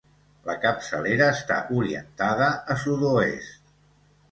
La capçalera està orientada a Sud-oest.